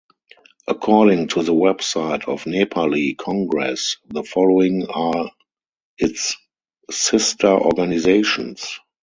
According to the website of Nepali Congress, the following are its sister organizations.